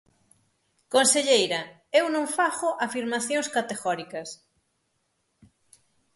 Conselleira, eu non fago afirmacións categóricas.